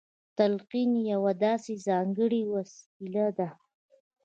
تلقين يوه داسې ځانګړې وسيله ده.